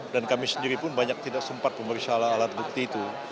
dan kami sendiri pun banyak tidak sempat memberi alat alat bukti itu